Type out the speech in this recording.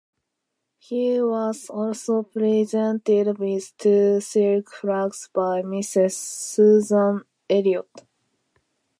He was also presented with two silk flags by Mrs. Susannah Elliott.